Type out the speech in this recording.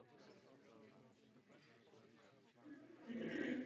Je pochována se svojí matkou na pražském Vyšehradském hřbitově.